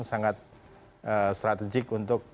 sangat strategik untuk